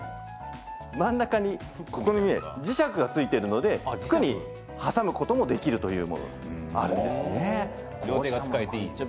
真ん中に磁石が付いているので服に挟むこともできるということもあるんですね。